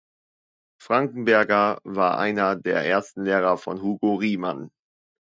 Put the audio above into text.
Frankenberger war einer der ersten Lehrer von Hugo Riemann.